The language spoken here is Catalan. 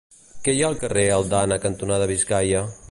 Què hi ha al carrer Aldana cantonada Biscaia?